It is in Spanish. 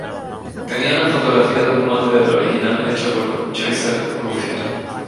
Tenía una fotografía de un molde del original hecho por Choisel-Gouffier.